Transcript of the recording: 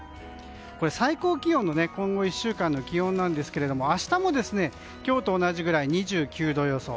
最高気温の今後１週間の気温なんですけれども明日も今日と同じくらい２９度予想。